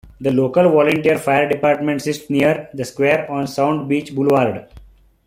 The local volunteer fire department sits near the square on Sound Beach Boulevard.